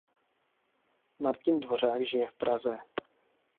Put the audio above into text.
Martin Dvořák žije v Praze.